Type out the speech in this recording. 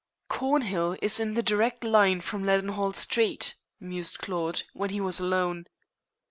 "Cornhill is the direct line from Leadenhall Street," mused Claude, when he was alone.